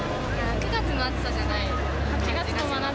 ９月の暑さじゃない。